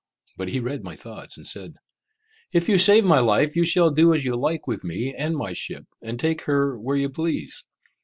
But he read my thoughts, and said, "If you save my life, you shall do as you like with me and my ship, and take her where you please."